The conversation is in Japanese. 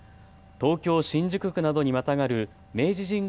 東京新宿区などにまたがる明治神宮